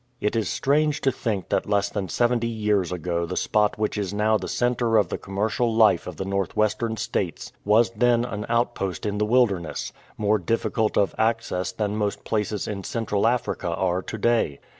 It is strange to think that less than seventy years ago the spot which is now the centre of the commercial life of the North Western States was then an outpost in the wilderness, more difficult of access than most places in Central Africa are to day.